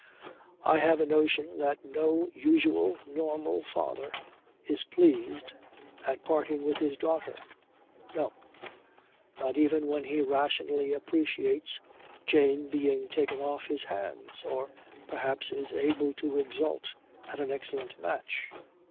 I have a notion that no usual, normal father is pleased at parting with his daughter. No. Not even when he rationally appreciates "Jane being taken off his hands" or perhaps is able to exult at an excellent match.